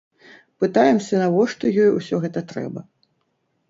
Пытаемся, навошта ёй ўсё гэта трэба?